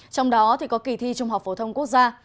trong đó thì có kỳ thi trung học phổ thông quốc gia